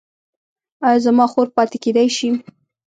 ایا زما خور پاتې کیدی شي؟